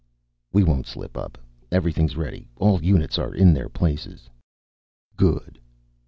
"We won't slip up. Everything's ready. All units are in their places." "Good."